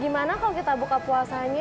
gimana kalau kita buka puasanya